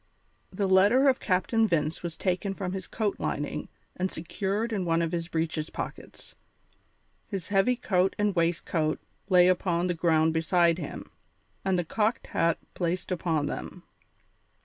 The letter of Captain Vince was taken from his coat lining and secured in one of his breeches pockets; his heavy coat and waistcoat lay upon the ground beside him, with the cocked hat placed upon them.